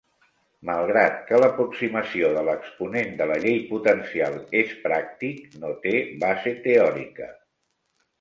Malgrat que l'aproximació de l'exponent de la llei potencial és pràctic, no té base teòrica.